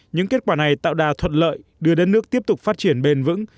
những kết quả này tạo đà thuận lợi đưa đất nước tiếp tục phát triển bền vững